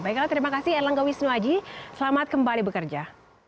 baiklah terima kasih erlangga wisnu aji selamat kembali bekerja